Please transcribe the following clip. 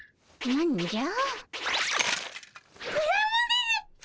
何じゃ？